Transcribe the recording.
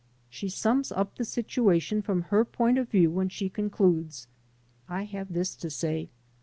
" She sums up the situation from her point of view when she concludes : "I have this to say.